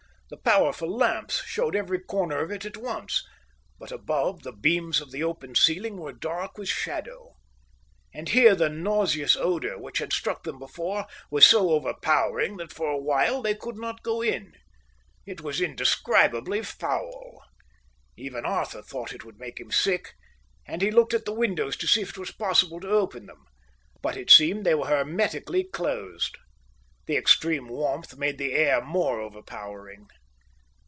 The powerful lamps showed every corner of it at once, but, above, the beams of the open ceiling were dark with shadow. And here the nauseous odour, which had struck them before, was so overpowering that for a while they could not go in. It was indescribably foul. Even Arthur thought it would make him sick, and he looked at the windows to see if it was possible to open them; but it seemed they were hermetically closed. The extreme warmth made the air more overpowering.